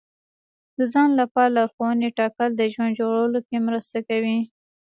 د ځان لپاره لارښوونې ټاکل د ژوند جوړولو کې مرسته کوي.